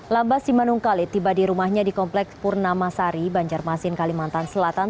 lambas simanung kalit tiba di rumahnya di kompleks purnamasari banjarmasin kalimantan selatan